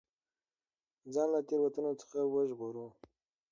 ځان له تېروتنو څخه وژغورو.